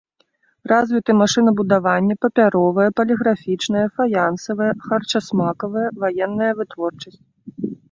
Развіты машынабудаванне, папяровая, паліграфічная, фаянсавая, харчасмакавая, ваенная вытворчасць.